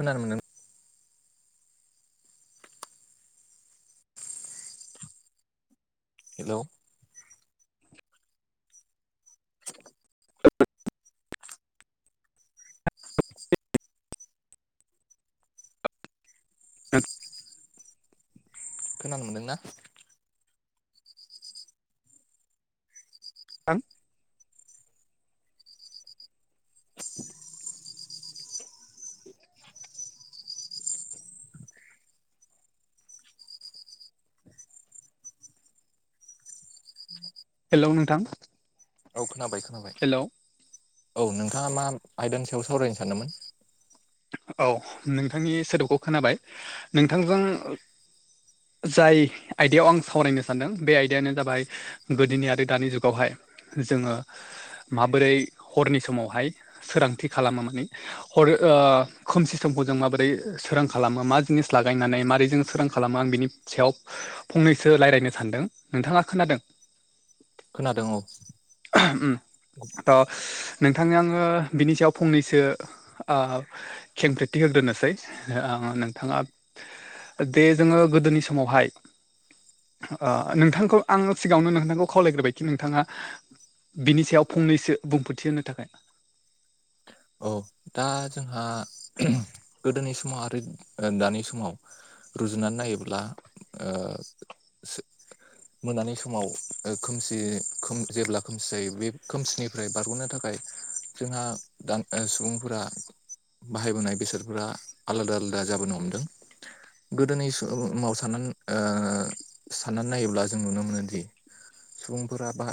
खोनानो मोनदों हेलौ। नोंथां खोनानो मोनदोंना? थां [inaudible] हेलौ नोंथां औ खोनाबाय खोनाबाय हेलौ औ नोंथाङा मा आयदानि सायाव सावरायनो सानदोंमोन। औ नोंथांनि सोदोबखौ खोनाबाय नोंथांजों जाय आयदायाव आं सावरायनो सानदों बे आयदायानो जाबाय गोदोनि आरो दानि जुगावहाय जोङो माबोरै हरनि समावहाय सोरांथि खालामो माने हर खोमसि समखौ जों माबोरै सोरां खालामो मा जिनिस लागायनानै माबारै जोङो सोरां खालामो आं बिनि सायाव फंनैसो रायज्लायनो सानदों नोंथाङा खोनादों? खोनादों औ उम थ नोंथांनो आङो बिनि सायाव फंनैसो ओ खेंफेरथि होग्रोनोसै आं नोंथाङा दे जोङो गोदोनि समावहाय नोंथांखौ आं सिगाङावनो नोंथांखौ खावलायग्रोबायखि नोंथाङा बिनि सायाव फंनैसो बुंफोरथि होनो थाखाय औ दा जोंहा गोदोनि समाव आरो दानि समाव रुजुनानै नायोब्ला मोनानि समाव खोमसि जेब्ला खोमसि जायो बे खोमसिनि निफ्राय बारग'नो थाखाय जोंहा दा सुबुंफोरा बाहायबोनाय बेसादफोरा आलादा आलादा जाबोनो हमदों गोदोनि समाव साननानै साननानै नायोब्ला जों नुनो मोनोदि सुबुंफोरा बा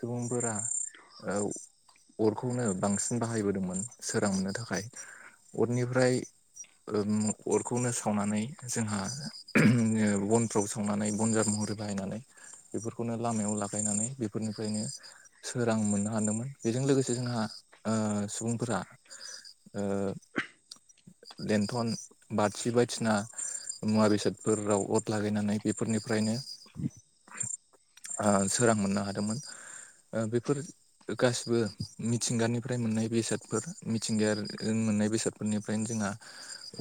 सुबुंफोरा औ अरखौनो बांसिन बाहायबोदोंमोन सोरांनो थाखाय अरनिफ्राय अरखौनो सावनानै जोंहा बनफ्राव सावनानै बनजार महरै माइ नानै बेफोरखौनो लामायाव लागायनानै फोरनिफ्रायनो सोरां मोननो हादोंमोन बेजों लोगोसे जोंहा सुबुंफोरा ओ लेन्थन बारसि बायदिना मुवा बेसादफोराव अर लागायनानै बेफोरनिफ्रायनो सोरां मोननो हादोंमोन बेफोर गासिबो मिथिंगानिफ्राय मोननाय बेसादफोर मिथिंगायारिजों मोननाय बेसादफोरनिफ्रायनो जोंहा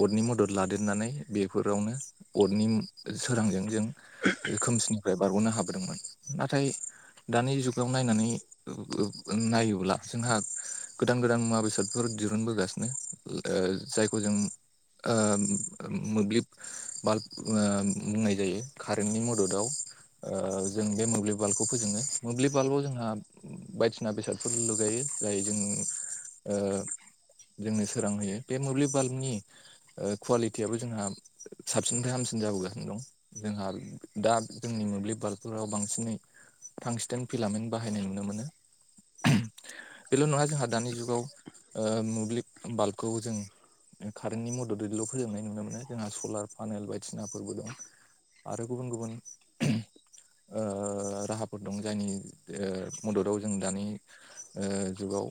अरनि मदद लादेरनानै बेफोरावनो अरनि सोरांजों जों रोखोमसिनिफ्राय बारग'नो हाबोदोंमोन नाथाय दानि जुगाव नायनानै नायोब्ला जोंहा गोदान गोदान मुवा बेसादफोर दिरुुनबोगासिनो जायखौ जों मोब्लिब बाल्ब बुंनाय जायो कारेन्टनि मददाव जों बे मोब्लिब बालखौ फोजोङो मोब्लिब बाल्बाव जोंहा बायदिसिना बेसादफोर लुगायो जाय जों जोंनो सोरांहयो बे मोब्लिब बाल्बनि कुवालिटियाबो जोंहा साबसिननिफ्राय हामसिन जाबोगासिनो दं जोंहा दा जोंनि मोब्लिब बाल्बफोराव बांसिनै फांसिदेन फिलामेन्ट बाहायनाय नुनो मोनो बेल' नङा जोंहा दानि जुगाव मोब्लिब बाल्बखौ जों कारेन्टनि मददैल' फोजोबनाय नुनो मोनो जोंहा सलार पानेल बायदिसिनाफोरबो दं आरो गुबुन गुबुन राहा दं जायनि मददाव जों दानि जुगाव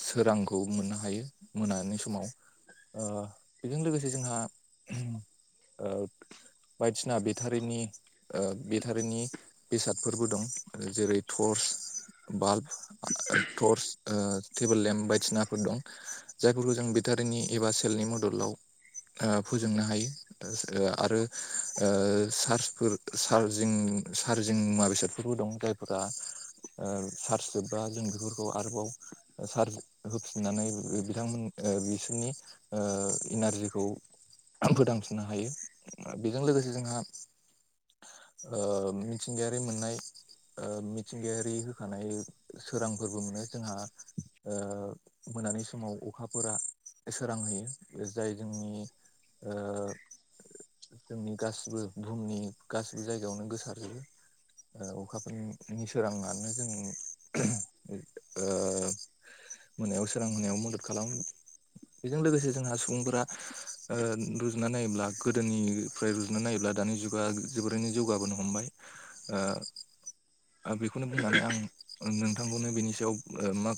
सोरांखौ मोननो हायो मोनानि समाव ओ बेजों लोगोसे जोंहा बायदिसिना बेटारिनि बेटारिनि बेसादफोरबो दं जेरै torch bulb torch table lamp बायदिनाफोर दं जायफोरखौ जों बेटारिनि एबा सेलनि मददाव फोजोंनो हायो आरो चार्जफोर चार्जिं चार्जिं मुवा बेसादफोरबो दं जायफोरा चार्ज जोबबा जों बेफोरखौ आरोबाव सार होफिननानै बिथांमोन बिसोरनि इनारजिखौ फोथांफिननो हायो बेजों लोगोसे जोंहा मिथिंगायारि मोननाय मिथिंगायारि होखानाय सोरांफोरबो मोनो जोंहा मोनानि समाव अखाफोरा सोरांहैयो जाय जोंनि ओ जोंनि गासिबो बुहुमनि गासिबो जायगायावनो गोसारजोबो अखाफोरनि सोराङानो जों मोनायाव सोरां होनायाव मदद खालामो बेजों लोगोसे जोंहा सुबुंफोरा रुजुना नायोब्ला गोदोनि फ्रफ्राय रुजनो नायोब्ला दानि जुगा जोबोरैनो जौगाबोनो हमबाय बेखौनो बुंनानै आं नोंथांखौनो बेनि सायाव मा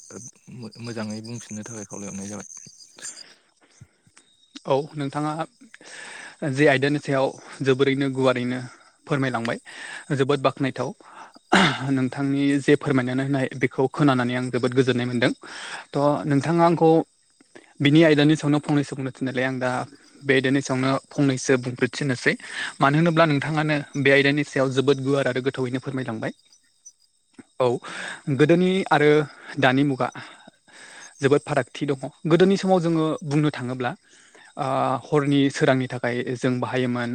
मोजाङै बुंफिननो थाखाय खावलायहरनाय जाबाय औ नोंथाङा जे आयदानि सायाव जोबोरैनो गुवारैनो फोरमायलांबाय जोबोद बाख्नायथाव नोंथांनि जे फोरमायनानै होननाय बेखौ खोनानानै आं जोबोद गोजोननाय मोनदों थ' नोंथाङा आंखौ बिनि आयदानि सायावनो फंनैसो बुंनो थिननायलाय आं दा बे आयदानि सायावनो फंनैसो बुंफोरथिनोसै मानो होनोब्ला नोंथाङानो बे आयदानि सायाव जोबोद गुवार आरो गोथ थौैयैनो फोरमायलांबाय [unintelligible] औ गोदोनि आरो दानि मुगा जोबोद फारागथि दङ गोदोनि समाव जोङो बुंनो थाङोब्ला हरनि सोरांनि थाखाय जों बाहायोमोन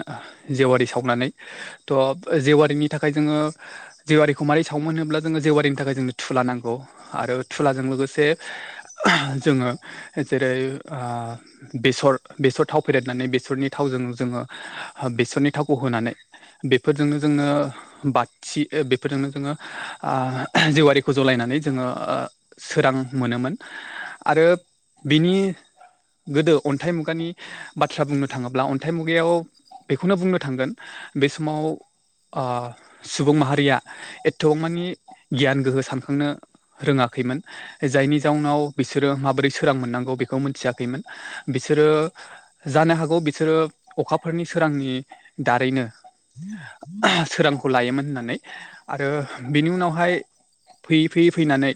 जेवारि सावनानै थ' जेवारिनि थाखाय जोङो जेवारिखौ मारोरै सावोमोन होनोब्ला जोङो जेवारिनि थाखाय जोंनो थुला नांगौ आरो थुलाजों लोगोसे जोङो जेरै बेसर बेसर थाव फेदेरनानै बेसरनि थावजों जोङो बेसरनि थावखौ होनानै बेफोरजोंनो जोङो बाथिथि बेफोरजोंनो जोङो जेवारिखौ जलायनानै जोङो सोरां मोनोमोन आरो बिनि गोदो अन्थाइ मुगानि बाथ्रा बुंनो थाङोब्ला अन्थाइ मुगायाव बेखौनो बुंनो थांगोन बे समाव सुबुं माहारिया एथ'मानि गियान गोहो सानखांनो रोङाखैमोन जायनि जाउनाव बिसोरो माबोरै सोरां मोननांगौ बेखौ मोनथियाखैमोन बिसोरो जानो हागौ बिसोरो अखाफोरनि सोरांनि दारैनो सोरांखौ लायोमोन होननानै आरो बेनि उनावहाय फैयै फैयै फैनानै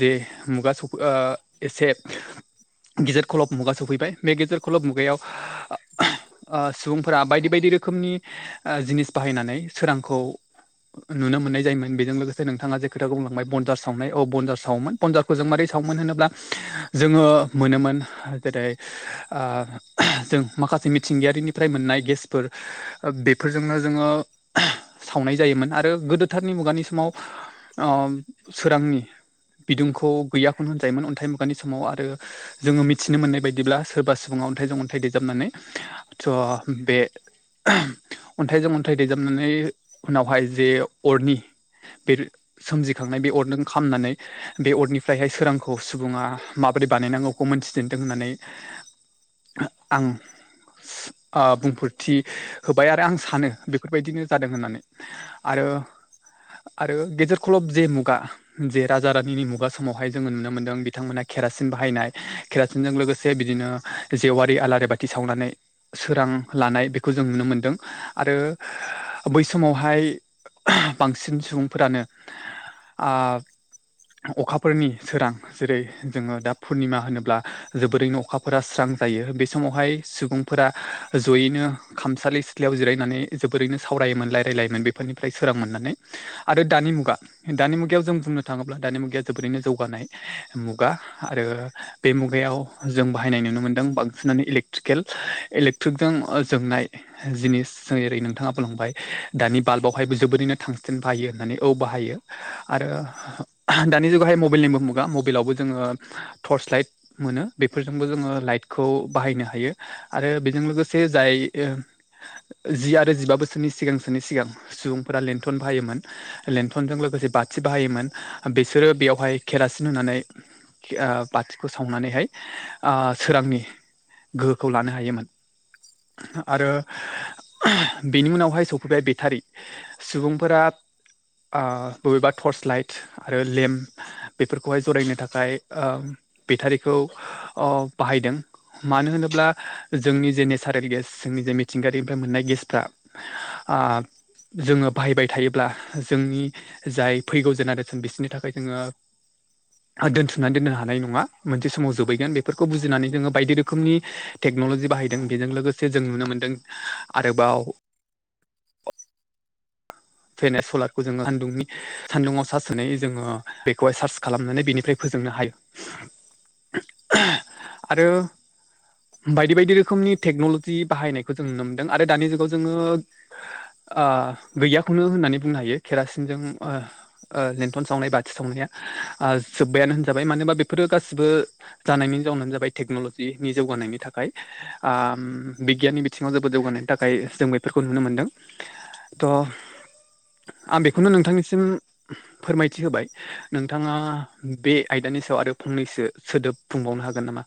जे मुगा स एसे गिेजेर खलब मुगा सफैबाय बे गेजेर खलब मुगायाव सुबुंफोरा बायदि बायदि रोखोमनि जिनिस बाहायनानै सोरांखौ नुनो मोन्नाय जायोमोन बेजों लोगोसे नोंथाङा जे खोथा बुंलांबाय बनजार सावनाय औ बनजार सावोमोन पनजारखौ जों मारै सावोमोन होनोब्ला जोङो मोनोमोन जेरै जों माखासे मिथिंगायारिनिफ्राय मोननाय गेसफोर बेफोरजोंनो जोङो सावनाय जायोमोन आरो गोदोथारनि मुगानि समाव सोरांनि बिदुंखौ गैयाखौनो होनजायोमोन अन्थाइ मुगानि समाव आरो जोङो मिथिनो मोननाय बायदिब्ला सोरबा सुबुङा अन्थाइजों अन्थाइ देजाबनानै थ' बे अन्थाइजों अन्थाइ दैजामनानै उनावहाय जे अरनि बे सोमजिखांनाय बे अरजों खामनानै बे अरनिफ्रायहाय सोरांखौ सुबुङा माबोरै बानायनांगौ बेखौ मोनथिजन्दों होननानै आं बुंफोरथि होबाय आरो आं सानो बेफोरबायदिनो जादों होननानै आरो आरो गेजेर खलब जे मुगा जे राजा रानिनि मुगा समावहाय जोङो नुनो मोनदों बिथांमोनहाा खेर खेरासिन बाहायनाय केेरासिनजों लोगोसे बिदिनो जेवारि आलारि बाथि सावनानै सोरां लानाय बेखौ जों नुनो मोनदों आरो बै समावहाय बांसिन सुबुंफोरानो। अखाफोरनि सोरां जेरै जोङो दा पुर्निमा होनोब्ला जोबोरैनो अखाफोरा स्रां जायो बे समावहाय सुबुं फोरा जयैनो खामसालि सिथ्लायाव जिरायनानै जोबोरैनो सावरायोमोन रायलायलायोमोन बे बेनिफ्राय सोरां मोननानै आरो दानि मुगा दानि मुगायाव जों बुंनो थाङोब्ला दानि मुगाया जोबोरैनो जौगानाय मुगा खुगा आरो बे मुगायाव जों बाहायनाय नुनो मोन्दों बांसिनानो इलेक्ट्रिकेल इलेक्ट्रिकजों जोंनाय जिनिस जों ओरै नोंथाङा बुंलांबाय दानि बाल्बावहायबो जोबोरैनो थांसिन बाहायो होननानै औ बाहायो आरो दानि जुगावाहाय मबाइलनिबो मुगा मबाइलावबो जोङो टर्स लाइट मोनो बेफोरजोंबो जोङो लाइटखौ बाहायनो हायो। आरो बेजों लोगोसे जाय जि आरो जिबा बोसोरनि सिगांसोनि सिगां सुबुंफोरा लेेनथन बाहायोमोन लन्थनजों लोगोसे बाथि बाहायोमोन बिसोरो बेयावहाय केरासिन होननानै ओ बाथिखौ सावनानैहाय सोरांनि गोहोखौ लानो हायोमोन। आरो बेनि उनावहाय सफैबाय बेटारि सुबुंफोरा ओ बबेबा टर्च लाइट आरो लेम्प बेफोरखौहाय जरायनो थाखाय थाखाय बेटारिखौ बाहायदों। मानो होनोब्ला जोंनि जे नेसारेल गेस जोंनि जे मिथिंगायारिनिफ्राय मोननाय गेसफ्रा आ जोङो बाहायबाय थायोब्ला जोंनि जाय फैगौ जेनेरेसन बिसोरनि थाखाय जोङो दोनथुमनानै दोननो हानाय नङा मोनसे समाव जोबहैगोन बेफोरखौ बुजिनानै जोङो बायदि रोखोमनि टेक्न'लजि बाहायदों बेजों लोगोसे जों नुनो मोन्दों आरोबाव फैनाय सलारखौ जोङो सान्दुंनि सान्दुंङाव सा सोनानै जोङो बेखौहाय सार्स खालामनानै बेनिफ्राय फोजोंनो हायो। आरो बायदि बायदि रोखोमनि टेक्न'लजि बाहायनायखौ जों नुनो मोनदों। आरो दानि जुगाव जोङो ओ गैयाखौनो होननानै बुंनो हायो केरासिनजों ओ ओ लन्थन सावनाय बाथि सावनाया ओ जोब्बायानो होनजाबाय मानो होनबा बेफोरो गासिबो जानायनि जाउनानो जाबाय टेक्न'ल'जिनि जौगानायनि थाखाय। बिगियाननि बिथिङाव जोबोद जौगानायनि थाखाय जों बेफोरखौ नुनो मोनदों। थ' आं बेखौनो नोंथांनिसिम फोरमायथि होबाय। नोंथाङा बे आयदानि सायाव आरो फंनैसो सोदोब बुंबावनो हागोन नामा?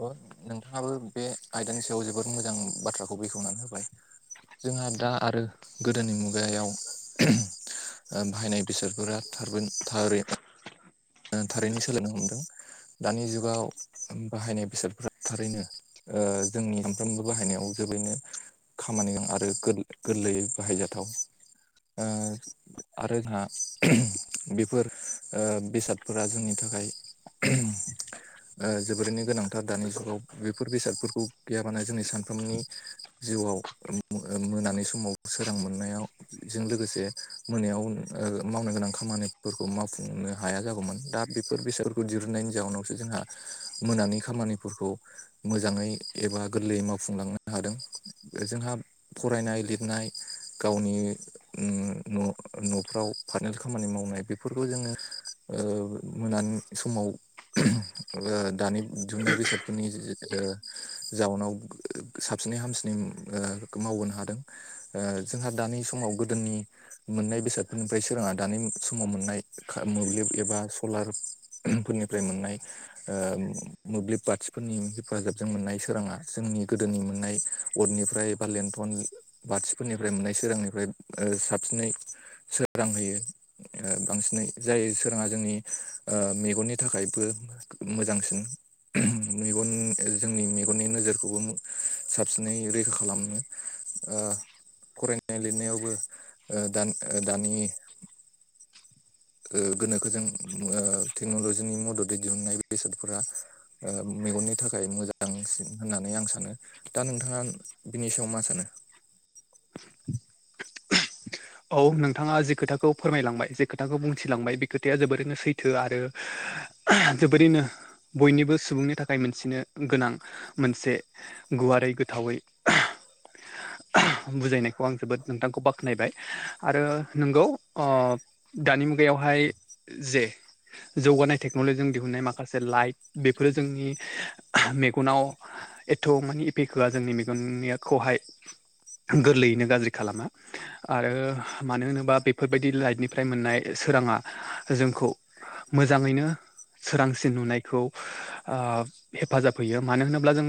अ नोंथाङाबो बे आयदानि सायाव जोबोद मोजां बाथ्राखौ बेखेवनानै होबाय। जोंहा दा आरो गोदोनि मुगायाव बाहायनाय बेसादफोरा थ थारै थारैनो सोलोंनो हमदों दानि जुगाव बाहायनाय बेसादफ्रा थारैनो जोंनि सामफ्रामबो बाहायनायाव जोबैनो खामानिजों आरो गोरलैयै बाहायजाथाव। आरो जोंहा बेफोर बेसादफोरा जोंनि थाखाय जोबोरैनो गोनांथार दानि जुगाव बेफोर बेसादफोरखौ गैयाबानो जोंनि सानफ्रोमनि जिउआव मोनानि समाव सोरां मोननायाव जों लोगोसे मोनायाव मावनो गोनां खामानिफोरखौ मावफुंनो हाया जागौमोन दा बेफोर बेसादफोरखौ दहुननायनि जााहोनावसो जोंहा मोनानि खामानिफोरखौ मोजाङै एबा गोरलैयै मावफुंलांनो हादों जोंहा फरायनाय लिरनाय गावनि उम न'फ्राव फाइनेल खामानि मावनाय बेफोरखौ जोङो ओ मोनानि समाव ओ दानि दिहुननाय बेसादफोरनि ओ जाउनाव साबसिनै हामसिनै ओ मावबोनो हादों ओ जोंहा दानि समाव गोदोनि मोननाय बेसादफोरनिफ्राय सोराङा दानि समाव मोननाय मोब्लिब एबा सलार फोरनिफ्राय मोननाय ओ मोब्लिब बाथिफोरनि हेफाजाबजों मोननाय सोराङा जोंनि गोदोनि मोननाय अडनिफ्राय बा लेन्थन बाथिफोरनिफ्राय मोननाय सोरांनिफ्राय साबसिनै सोरां होयो। बांसिनै जाय सोराङा जोंनि ओ मेगननि थाखायबो मोजांसिन मेगन जों नि मेगननि नोजोरखौबो साबसिनै रैखा खालामनो ओ फरायनाय लिरनायावबो ओ दान ओ दानि ओ गोनोखोजों ओ टेक्न'लजिनि मददै दिहुनन्नाय बेसादफोरा ओ मेगननि थाखाय मोजांसिन होननानै आं सानो दा नोंथाङा बिनि सायाव मा सानो [inaudible] औ नोंथाङा जे खोथाखौ फोरमायलांबाय जे खोथाखौ बुंथिलांबाय बे खोथाया जोबोरैनो सैथो आरो जोबोरैनो बयनिबो सुबुंनि थाखाय मोनथिनो गोनां मोनसे गुवारै गोथावै बुजायनायखौ आं जोबोद नोंथांखौ बाख्नायबाय आरो नोंगौ ओ दानि मुगायावहाय जे जौगानाय टेक्न'लजिजों दिहुननाय माखासे लाइट बेफोर जोंनि मेगनाव एथ' मानिे एफेख होआ जोंनि मेगननियाखौहाय गोरलैयैनो गाज्रि खालामा आरो मानो होनोबा बेफोरबायदि लाइटनिफ्राय मोननाय सोराङा जोंखौ मोजाङैनो सोरांसिन नुनायखौ ओ हेफाजाब होयो मानो होनोब्ला जों